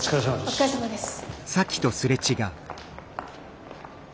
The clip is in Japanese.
お疲れさまです。